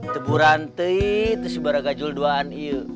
si buranti itu si baragajul duaan